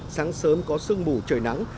sáng sớm có sương bù trời nắng